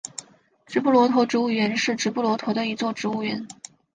直布罗陀植物园是直布罗陀的一座植物园。